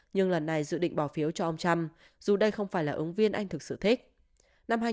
nhưng lần này dự định bỏ phiếu cho ông trump dù đây không phải là ứng viên anh thực sự thích